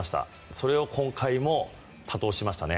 それを今回も多投しましたね。